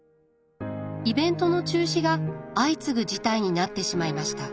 イベントの中止が相次ぐ事態になってしまいました。